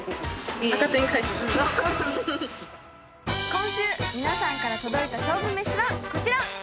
今週皆さんから届いた勝負めしはこちら。